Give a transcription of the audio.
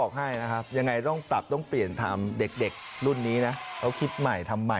ขอบคุณค่ะ